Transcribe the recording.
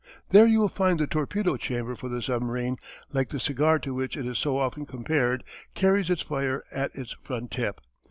There you will find the torpedo chamber for the submarine, like the cigar to which it is so often compared, carries its fire at its front tip.